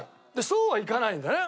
そうはいかないんだよね